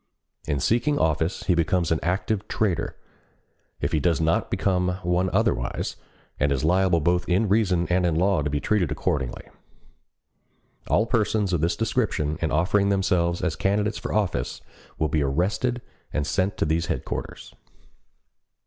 In seeking office he becomes an active traitor, if he does not become one otherwise, and is liable both in reason and in law to be treated accordingly. All persons of this description in offering themselves as candidates for office will be arrested and sent to these Headquarters.